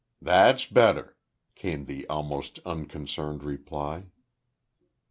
"Thass better," came the almost unconcerned reply.